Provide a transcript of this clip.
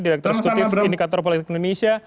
direktur eksekutif indikator politik indonesia